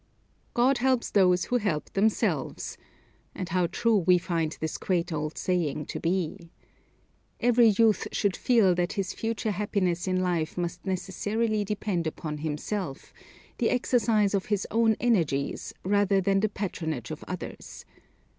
"God helps those who help themselves," and how true we find this quaint old saying to be. Every youth should feel that his future happiness in life must necessarily depend upon himself; the exercise of his own energies, rather than the patronage of others.